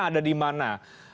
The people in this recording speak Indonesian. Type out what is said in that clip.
ada di mana